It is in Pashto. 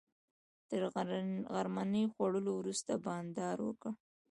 تر غرمنۍ خوړلو وروسته بانډار وکړ.